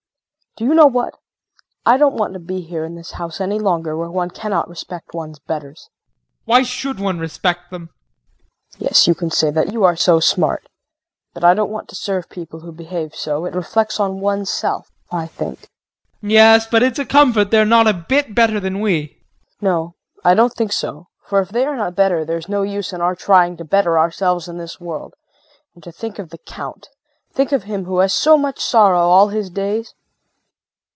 Do you know what I don't want to be here in this house any longer where one cannot respect one's betters. JEAN. Why should one respect them? KRISTIN. Yes, you can say that, you are so smart. But I don't want to serve people who behave so. It reflects on oneself, I think. JEAN. Yes, but it's a comfort that they're not a bit better than we. KRISTIN. No, I don't think so, for if they are not better there's no use in our trying to better ourselves in this world. And to think of the Count! Think of him who has had so much sorrow all his days?